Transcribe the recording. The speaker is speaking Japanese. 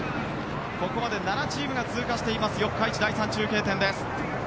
ここまで７チームが通過している四日市第３中継点です。